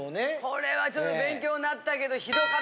これはちょっと勉強になったけど。